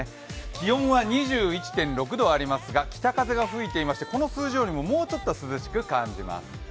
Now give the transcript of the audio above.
気温は２１．６度ありますが、北風が吹いていまして、この数字よりももうちょっと涼しく感じます。